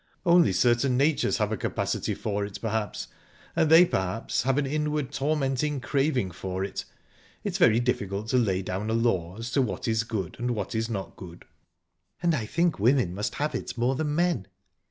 "Only certain natures have a capacity for it, perhaps, and they perhaps have an inward tormenting craving for it. It's very difficult to lay down a law as to what is good, and what is not good." "And I think women must have it more than men."